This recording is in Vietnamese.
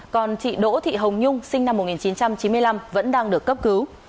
còn chị đỗ thị hồng nhung sinh năm một nghìn chín trăm chín mươi năm vẫn đang được cấp cứu